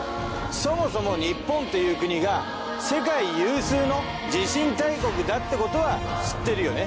そもそも日本っていう国が世界有数の地震大国だってことは知ってるよね？